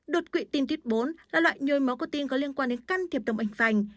đột quỵ tim tuyết bốn là loại nhồi máu cơ tim có liên quan đến can thiệp đồng ảnh vành